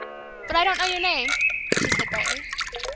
"But I don't know your name?" she said brightly.